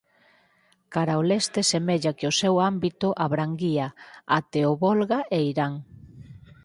Cara o leste semella que o seu ámbito abranguía até o Volga e Irán.